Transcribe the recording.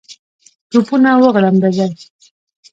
توپونه وغړمبېدل.